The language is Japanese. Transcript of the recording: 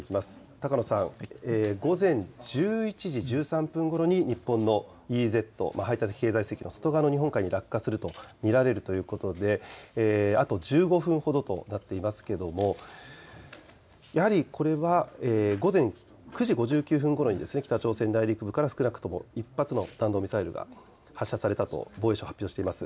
高野さん、午前１１時１３分ごろに日本のＥＥＺ・排他的経済水域の外側の日本海に落下すると見られるということであと１５分ほどとなっていますがやはりこれは午前９時５９分ごろに北朝鮮内陸部から少なくとも１発の弾道ミサイルが発射されたと防衛省、発表しています。